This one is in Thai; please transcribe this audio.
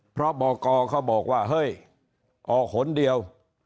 เพราะบอกกเขาบอกว่าเฮ้ยออกหนเดียว